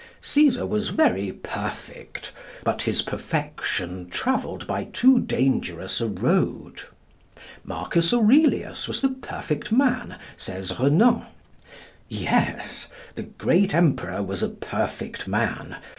Cæsar was very perfect, but his perfection travelled by too dangerous a road. Marcus Aurelius was the perfect man, says Renan. Yes; the great emperor was a perfect man.